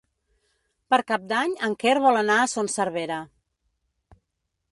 Per Cap d'Any en Quer vol anar a Son Servera.